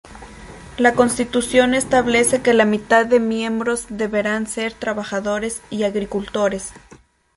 La Constitución establece que la mitad de miembros deberán ser trabajadores y agricultores.